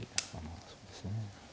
あそうですね。